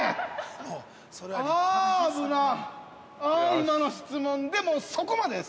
◆今の質問で、そこまでです。